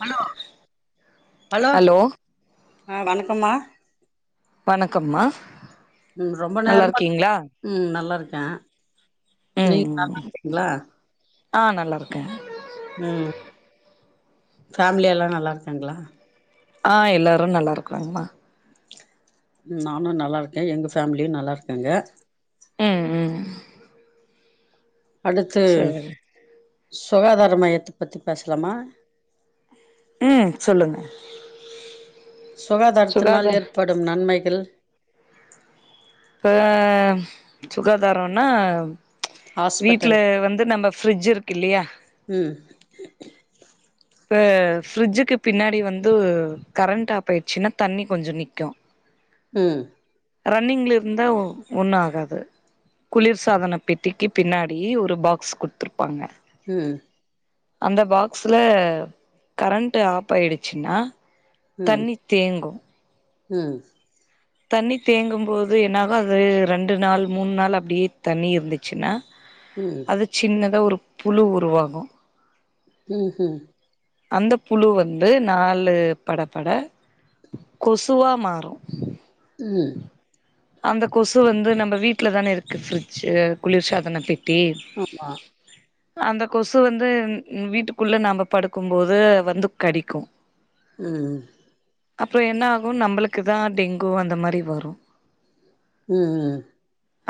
Hello hello ஆ வணக்கம்மா வணக்கம்மா ம் நல்லா இருக்கீங்களா கெ ம் நீங்க ம் நல்லா இருக்கீங்களா ஆ நல்லாருக்க ம் ஃபேமிலி எல்லா நல்லா இருக்காங்களா ஆ எல்லாரு நல்லா இருக்குறாங்மா நானு நல்லா இருக்க எங்க ஃபேமிலியு நல்லா இருக்காங்க ம் ம் ம் அடுத்து சரி சுகாதார மையத்த பத்தி பேசலாமா ம் சொல்லுங்க சுகாதாரத்தினால் சுகாதார ஏற்படும் நன்மை கள் அ சுகாதாரன்னா வீட்ல ஹாஸ்பிட்டல் வந்து நம்ம ஃபிரிட்ஜ்ஜு இருக் இல்லியா ம் இப்ப ஃபிரிட்ஜுக்கு பின்னாடி வந்து கரண்ட் ஆப் ஆயிச்சுனா தண்ணி கொஞ்சோ நிக்கு ம் ரன்னிங்ல இரு இருந்தா ஒ ஒன்னு ஆகாது குளிர் சாதன பெட்டிக்கு பின்னாடி ஒரு பாக்ஸ் குடுத்துருப்பாங்க ம் அந்த பாக்ஸ்ல கரண்ட்டு ஆப் ஆயிடுச்சுன்னா ம் தண்ணி தேங்கு ம் தண்ணி தேங்கும்போது என்னாகு அது ரெண்டு நாள் மூண் நாள் அப்டியே தண்ணி இருந்துச்சுன்னா ம் அது சின்னதா ஒரு புழு உருவாகு ம் ம் அந்த புழு வந்து நாலு பட பட கொசுவா மாறு ம் அந்த கொசு வந்து நம்ப வீட்ல தான இருக்கு ஃபிரிட்ஜு குளிர் சாதன பெட் ஆமா அந்த கொசு வந்து வீட்டுக்குள்ள நாம்ப படுக் க்கும் போது வந்து கடிக்கு ம் அப்புறோ என்ன ஆகு நம்பளுக்கு தா டெங்கு அந்த மாரி வரு ம் ம் ம்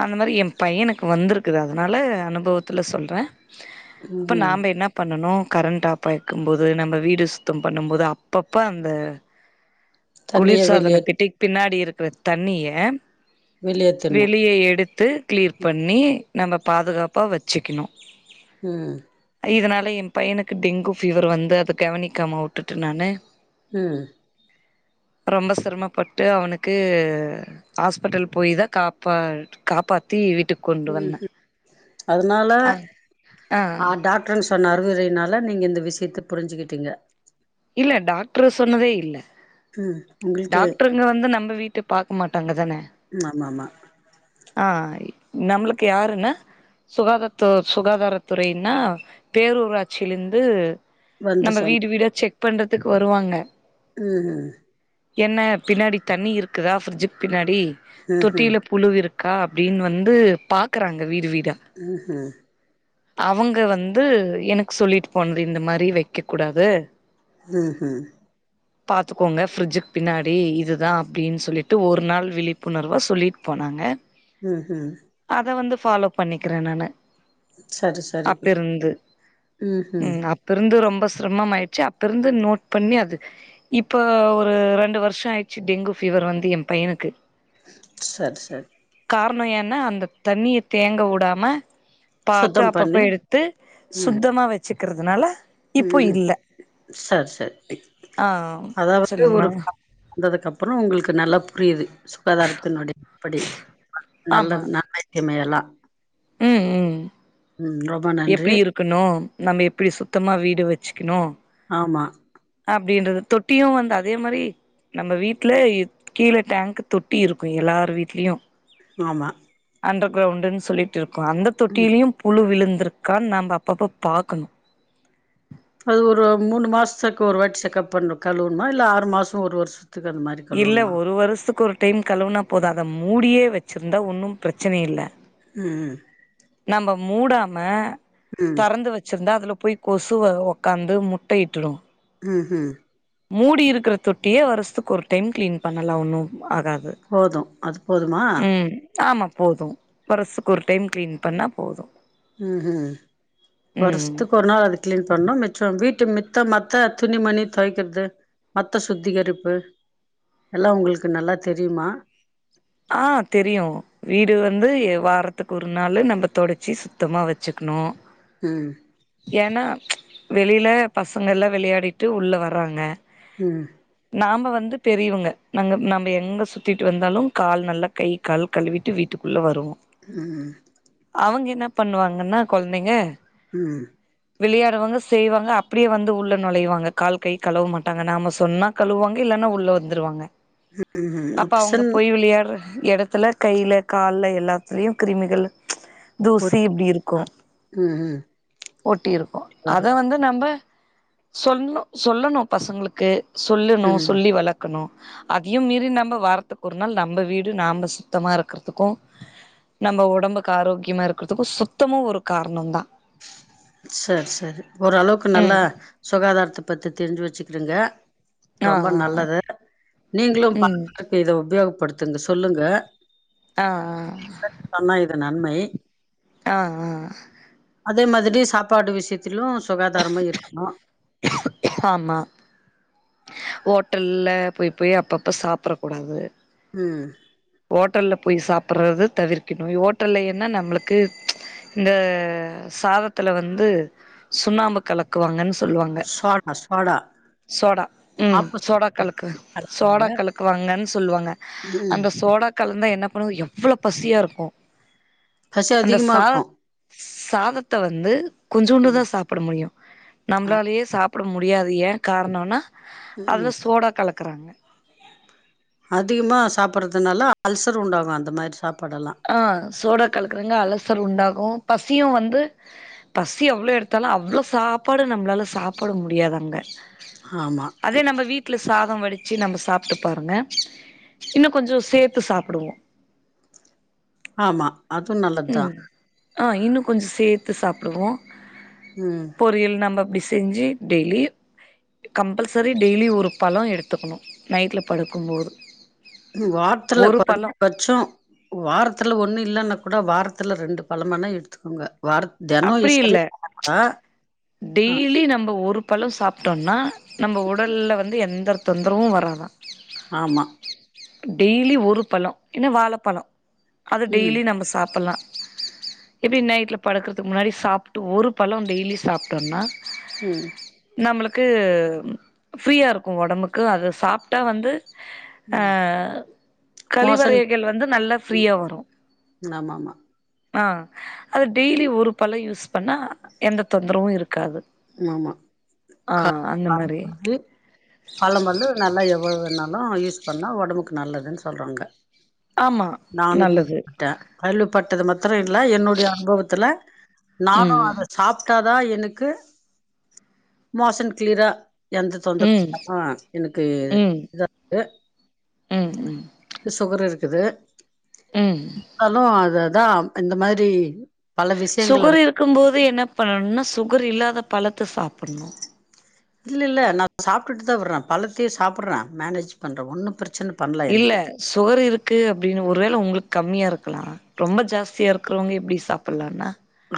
அந்த மாரி எம் பையனுக்கு வந்துருக்குது அதுனால அனுபவத்துல சொல்ற அப்ப ம் நாம்ப என்ன பண்ணனு கரண்ட்கப் பயக்கும் போது நம்ம வீடு சுத்தம் பண்ணும் போது அப்பப்ப அந்த தண்ணிய குளிர் வெளியே சாதன பெட்டிக்கு பின்னாடி இருக் [unintelligible] தண்ணிய வெளியேத்தணு வெளியே எடுத் டு கிளீர் ம் பண்ணி நம்ம பாதுகாப்பாக வச்சுக்கணு ம் [unintelligible] என் பையனுக்கு டெங்கு ஃபீவர் வந்து அத கவனிக்காம உட்டுட்ட நானு ம் ரொம்ப சிரமப்பட்டு அவனுக்கு ஹாஸ்பிட்டல் போய் தா காப்பா காப்பாத்தி விட் ம் ம் அதனால ஆ ஆ அ டாக்டர்ன்னு சொன்னாரு [unintelligible] நீங்க இந்த விஷயத்த புரிஞ்சுகிட்டீங்க இல்ல டாக்டர் சொன்னதே இல்ல ம் உங்களுக்கு டாக்டருங்க வந்து நம் ப்ப வீட்டு பார்க்க மாட்டாங்க தானே ம் ஆமா ஆமா ஆ நம்மளுக்கு யாருன்னா சுகாதாத்து சுகாதாரத் துறைனா பேரூராட்சியில இருந்து வந்து நம்ம சொன்ன வீடு வீட செக் பண்றதுக்கு வருவாங்க ம் ம் என்ன பின்னாடி தண்ணி இருக்குதா ஃப்ரிட்ஜிக்கு பின்னாடி ம் ம் தொட்டியில புழு இருக் கா அப்படின்னு வந்து பாக்குறாங்க வீடு வீடு ம் ம் அவங்க வந்து எனக்கு சொல்லிட்டு போனது இந்த மாரி வைக்க கூடாது ம் ம் பார்த்துக்கோங்க ஃபரிட்ஜிக்கு பின்னாடி இதுதா அப்படின்னு சொல்லிட்டு ஒரு நாள் விழிப்புணர்வா சொல்லிட் போனாங்க ம் ம் அத வந்து ஃபாலோ பண்ணிக்கிறே நானு சரி சரி அப்பிருந்து ம் அப்பிருந்து ரொம் ரொம்ப சிரமம் ஆயிடுச்சு அப்ப இருந்து நோட் பண்ணி அது இப்ப ஒரு ரெண்டு வருஷ ஆயிடுச்சு டெங்கு ஃபீவர் வந்து என் பையனுக்கு சேரி சேரி காரண ஏன்னா அந்த தண்ணிய தேங்க விடாம பாத்து சுத்தம் அப்பப்ப பண்ணி எடுத்து ம் சுத்தமா வச் சிக்கிறதுனால ம் சர் சரி ஆ அதாவது சொல்லுங்கமா ஒரு [inaudible] வந்ததுக்கப் றொ உங்களுக்கு நல்லா புரியிது சுகாதாரத்தினுடைய [inaudible] எப்புடி ஆமா நல்லது நன்மை தீமை எல்லா ம் ம் ரொம்ப நன்றி எப்டி இருக்கனு நம்ம எப்டி சுத்தமா வீடு வச்சுக்கனு ஆமா அப்டின்றது தொட்டியு வந்து அதே மாரி நம்ம வீட்ல கீழ டேங்க்கு தொட்டி இருக்கு எல்லார் வீட்லயு ஆமா அண்டர் கிரவுண்டுன் சொல்லிட்ருக்கு அந்த ம் தொட்டிலயு புழு விழுந்திருக்கான் நம்ப அப்பப்ப பாக்கனு அது ஒரு மூணு மாசத்துக்கு ஒரு வாட்டி செக்கப் பண்ண கழுவுனு இல்ல ஆறு மாச ஒரு வர்ஷ இல்ல ஒரு வருஷ்த்கு ஒரு டைம் கழுவுனா போது அத மூடியே வச்சுருந்தா ஒன்னு பிரச்சன இல்ல ம் நம்ப மூடாம ம் தெறந்து வச்சுருந்தா அதுல போய் கொசுவ ஒக்காந்து முட்ட இட்டுடு ம் ஹும் மூடி இருக்குற தொட்டிய வருஸ்த்துக்கு ஒரு டைம் கிளீன் பண்ணலா ஒன்னு ஆகாது போது அது போதுமா? ம் ஆமா போது வருஸ்த்துக்கு ஒரு டைம் க்ளீன் பண்ணா போது ம் ஹும் ம் வருஸ்த்துக்கு ஒரு நாள் அது கிளீன் பண்ணு மிச்சொ வீட் டு மித்த மத்த துணி மணி தொவக்கிற்து மத்த சுத்திகரிப்பு எல்லா உங்களுக்கு நல்லா தெரியுமா? ஆ தெரியு வீடு வந்து வாரத்துக்கு ஒரு நாளு நம்ப தொடச்சு சுத்தமா வச்சுக்னு ம் ஏனா வெளில பசங்கள்லா வெளயாடிட்டு உள்ள வராங்க ம் நாம வந்து பெரியவுங்க நாங்க நம்ப எங்க சுத்திட்டு வந்தாலு கால் நல்லா கை கால் கழுவிட்டு வீட்டுக்குள்ள வருவோ ம் ம் அவுங்க என்ன பண்ணுவாங்கன்னா கொழந்தைங்க ம் விளையாடுவாங்க செய்வாங்க அப்டியே வந்து உள்ள நொழைவாங்க கால் கை கழுவ மாட்டாங்க நாம சொன்னா கழுவுவாங்க இல்லன்னா உள்ள வந்துருவாங்க ம் ஹும் அப்சன் விளையாட்ற எடத்துல கைல கால்ல எல்லாத்துலயு கிருமிகள் தூசி ஓகே. இப்டி இருக்கு ஆ ம் ம் ஒட்டி இருக்கு அத வரும் வந்து நம்ம சொல்ல சொல்லணு பசங்களுக்கு சொல்லணு ம் சொல்லி வளக்கணு. அதையு மீறி நம்ம வாரத்து க்கு ஒரு நாள் நம்ப வீடு நாம சுத்தமா இருக்கிறதுக்கு நம்ம ஒடம்புக்கு ஆரோக்கியமா இருக்கிறதுக்கு சுத்தமு ஒரு காரணோந்தா. சேரி சேரி ஓரளவுக்கு நல்லா சுகாதாரத்த பத்தி தெரிஞ்சு வச்சுக்கிடுங்க ஆ ஆ ரொம்ப நல்லது. நீங்களு ம் பசங்களுக்கு இத உபயோகப்படுத் துங்க சொல்லுங்க. ஆ ஆ அ நன்மை ஆ ஆ அதே மாதிரி சாப்பாடு விஷயத்திலு சுகாதாரமா இருக்கணு. ஓட்டல்லல போய் போய் அப்பப்ப சாப்பட கூடாது. ம் ஓட்டல்ல போய் சாப்பட்றத தவிர்க்கணு. ஓட்டல்ல என்ன நம்மளுக்கு இந்த சாதத்துல வந்து சுண்ணாம்பு கலக்குவாங்கன் சொல்வாங்க. சோடா சோடா சோடா ம் ஆப்போசிட் சோடா கலக்கு சோடா கலக்குவாங்கன் சொல்வாங்க. ம் அந்த கலந்தா என்ன பண்ணு எவ்ளோ பசியாக இருக்கு பசி அந்த சாத அதிகமாக்கு சாதத்த வந்து கொஞ்சூண்டுதா ம் சாப்பட முடியு ஆ நம்பளாலயே சா ப்பட முடியாது. ஏன் காரணோன்னா ம் அதுல சோடா கல க்கறாங்க அதிகமா சாப்படறதுனால அல்சர் உண்டாகு அந்த மாரி சாப் ஆ சோடா கலக்குறாங்க அலசர் உண்டாகு பசியு வந்து பசி எவ்ளோ எடுத்தாலு அவ்ளோ சாப்பாடு நம்ளால சாப்பட முடியாது அங்க. ஆமா அதே நம்ம வீட்ல சாதோ வடி ச்சு நம்ம சாப்ட்டு பாருங்க இன்னு கொஞ்சோ சேத்து சாப்புடுவோ. ஆமா அது நல்லதுதா ம் ஆ இன்னோ கொஞ்சோ சேத்து சாப்டுவோ ம் பொறியல் நம்ப அப்டி செஞ்சு டெய்லி கம்பல்சரி டெய்லி ஒரு பழோ எடுத்துக்கனோ நைட்ல படுக்கும்போது வாரத்துல ஒரு பழோ கொறஞ்சபட்சோ வாரத்துல ஒன்னு இல்லன்னா கூட வாரத்துல ரெண்டு பழமானா எடுத்துக்கோங்க வார தெனோ [unintelligible] அப்டி இல்ல ங்க டெய்லி நம் ப ஒரு பழோ சாப்டோன்னா நம்ப உடல்ல வந்து எந்த தொந்தரவு வராதா ஆமா. டெய்லி ஒரு பழோ இல்லனா வாழப்பழோ அத ம், டெய்லி நம்ப சாப்பலா எப்டி நைட்ல படுக்குறதுக்கு முன்னாடி சாப்டு ஒரு பழோ டெய்லி சாப்டோன்னா உம் நம்மளுக்கு ஃப்ரீயா இருக்கு ஒடம்புக்கு அத சாப்டா வந்து ஆ ம். மோசன் கழிவறைகள் வந்து நல்லா ம் ஃப்ரீயா வரு ஆமாமா, ஆ அது டெய்லி ஒரு பழோ யூஸ் பண்ணா எந்த தொந்தரவு இருக் காது ஆமா. ஆ கா அந்த மாரி பழம் வந்து நல்லா எவ்ளோ வேணாலு யூஸ் பண்ணா ஒடம்புக்கு நல்லதுன்னு சொல்றாங்க ஆமா நல்லது டது மத் துறோ இல்ல என்னோடைய அனுபவத்ல நானோ ம் அத சாப்டா தா எனக்கு மோசன் கிளீயரா எந்த தொந்தரவோ ம் இல்லாம எனக்கு ம் இதா ஆகுது ம் ம் சுகர் இரு க்குது ம் எது ஆகாது அ தா இந்த மாரி பல விஷயங்கள சுகர் இருக்கும்போது என்ன பண்ணணும்னா சுகர் இல்லாத பழத்த த்த சாப்டனு இல்ல இல்ல நா சாப்ட்டுட்டு தா வர்றே பழத்தயு சாப்டுறே மேனேஜ் பண்றே ஒன்னு பிரச்சன பண்ல இல்ல எனக்கு சுகர் இருக்கு அப்டின்னு ஒருவேள உங்களுக்கு கம்மியா இருக்கலா ரொம்ப ஜாஸ்தியா இருக்றவுங்க எப்டி சாப்புல்லான்னா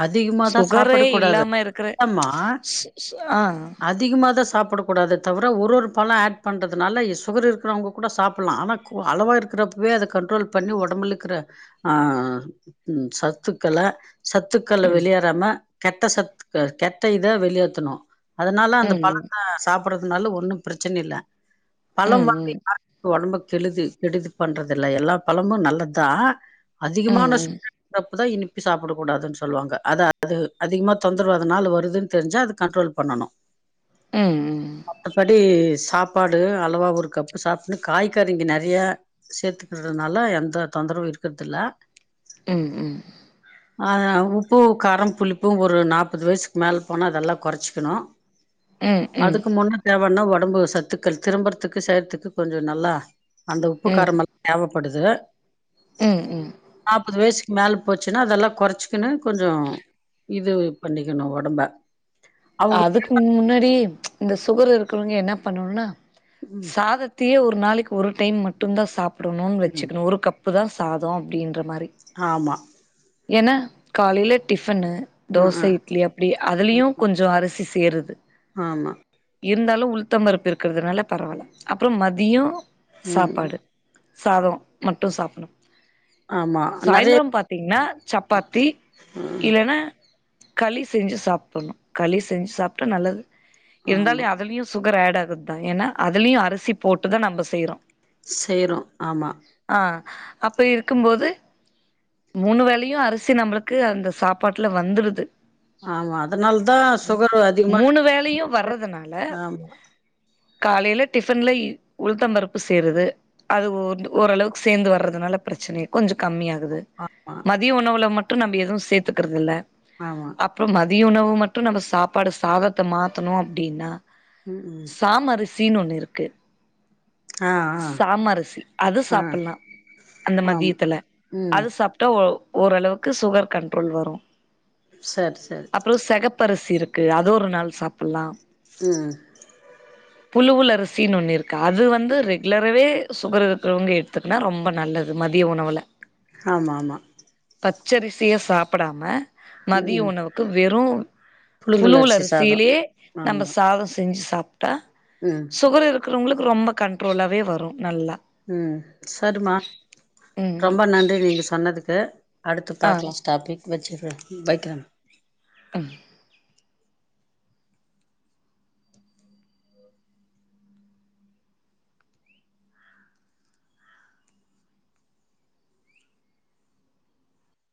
அதிகமா தா சாப்புட கூடாது இருக்கிற அம்மா சு சு ஆ அதிகமாதா சாப்புட கூடாது தவிர ஒரு ஒரு பழ ஆட் பண்றதுனால சுகர் இருக்றவுங்க கூட சாப்புல்லா ஆனா அளவா இருக்குறப்பவே அத கன்ட்ரோல் பண்ணி ஒடம்புல இக்கிற ஆ சத்துக்கள சத்துக்கள் ம் வெளியேறாம கெட்ட சத்துக்க கெட்ட இத வெளியேத்தனு அதுனால அந்த ம் பழத்த சாப் புறதுனால ஒன்னு பிரச்சன இல்ல பழம் ம் வாங்கி [inaudible] ஒடம்புக் கெழுதி கெடுதி பண்றதில்ல எல்லா பழமு நல்லத்தா ம் அதிகமான சு ம் [inaudible] போடா இனிப்பி சாப்புடு கூடாதுன் சொல்வாங்க அது அது அதிகமா தொந்தரவு அதுனால வருதுன் தெரிஞ்சா அது கன்ட்ரோல் பண்ணனு ம் ம் மத்தபடி சாப்பாடு அளவா ஒரு கப்பு சாப்டுனு காய்கறிங்க நறையா சேத்துக்குறதுனால எந்த தொந்தரவு இருக்கற்துல்ல ம் ம் ஆ உப்பு காரம் புளிப்பு ஒரு நாற்பது வயசுக் மேலே போனா அதெல்லா கொறச்சிக்கனு ம் ம் அதுக்கு முன்ன தேவனா ஒ டம்பு சத்துக்கள் திரும்பற்துக்கு செயற்துக்கு கொஞ்ச நல்லா அந்த உப்பு ம் காரம் எல்லா தேவப் படுது ம் ம் க்கு மேல போச்சுன்னா அதெல்லா கொறச்சிக்கினு கொஞ்சொ இது பண்ணிக்கனு ஒடம்ப அவுங்க அதுக்கு முன்னாடி இந்த சுகர் இரு க்கவுங்க என்ன பண்ணணுனா ம் சாதத்தயே ஒரு நாளைக்கு ஒரு டைம் மட்டுந்தா சாப் புடனுன் ம் வச்சுக்கனு ஒரு கப்பு தா சாதொ அப்டின்ற மாரி ஆமா என்னா காலைல டிஃபனு ம் தோசை ம் இட்லி அப்டி ம். அதுலயு அருசி சேருது ஆமா இருந்தாலு உள்தம் புருப்பு இருக்குறதுனால பரவால்ல அப்புறோ மதியோ ம் சாப்பாடு சாதோ மட்டு சாப்ணு ஆமா நெறைய சாயிந்துரோம் பாத்தீங்கன்னா சப்பாத்தி இல்லன்னா களி செஞ்சு சாப்பணு களி செஞ்சு சாப்புட்டா நல்லது இருந்தாலு ஆமா அதலையு சுக் ங்கு ரேடா ஆகுதா ஏன்னா அதலையு அரிசி போட்டுதா நம்ப செய்யறோ செய்றோ ஆமா அப்ப இருக்கும் போது மூணு வேலையு அரிசி நம்மளுக்கு அந்த சாப்பாட்டுல வந்துருது ஆமா அதனாலத் ம் மூணு வேலையு வர்றதுனால ஆமா காலைல டிஃபன்ல உளுதம் பருப்பு சேருது அது ஓரளவுக்கு சேந்து வர்றதுனால பிரச்சன இல் கொஞ்சோ கம்மியாகுது ஆமா மதிய உணவுல மட் ட்ரு நம்பி எது சேத்துக்கறதில்ல ஆமா தியோனோவ் மட் மட்டு நம்ம சாப்பாடு சாதத்த மாத்தணு அப்டின்னா ம்க்ம் சீன் ஒன்னு இருக்கு ஆ சாமரிசி அது ஆ சாப்புல்லா அந்த ஆம் மதியத்துல ம் அது சாப்டா ஒ ஓரளவுக்கு சுகர் கண்ட்ரோல் வரு சர் சர் பரிசி இருக்கு அது ஒரு நாள் சாப்புல்லாம் ம் புழுவுல அரிசின் ஒன்னு இருக்கா அது வந்து ரெகுலராகவே சுகர் இருக்குறவங்க எடுத்துக்குனா ரொம்ப நல்லது மதிய உணவுல ஆமா ஆமா பச்சரிசிய சாப்படாம ம் மதிய ம். உணவுக்கு வெறு புழுங்கல் புழுவுல அரிசி சாதோ அரிசிலயே நம்ப ஆமா சாதோ செஞ்சுஸ் தப் டா ம் சுகர் இருக் இருக்குறவங்களுக்கு ரொம்ப கண்ட்ரோலாவே வரு நல்லா ம் சடுமா ம் ரொம்ப நன்றி நீங்க சொன்னதுக்கு அடுத்து ஆ பாக்கலா ஸ்டாபிக் வெச்சுர்ற வைக்கிற அம்